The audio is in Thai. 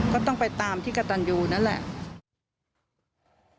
ก็ต้องไปตามที่กระตันยูนั่นแหละ